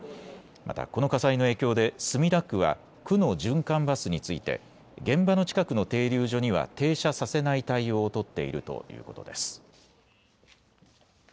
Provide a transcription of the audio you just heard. また、この火災の影響で墨田区は区の循環バスについて現場の近くの停留所には停車させない対応を取っているということです。